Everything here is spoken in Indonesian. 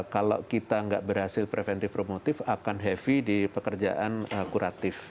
kalau kita nggak berhasil preventif promotif akan heavy di pekerjaan kuratif